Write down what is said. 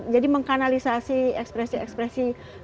jadi menganalisasi ekspresi ekspresi kebencian